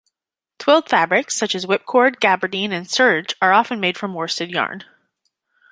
Twilled fabrics such as whipcord, gabardine and serge are often made from worsted yarn.